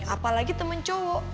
apalagi temen cowok